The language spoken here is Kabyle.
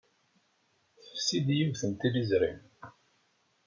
Tefsi-d yiwet n tliẓri.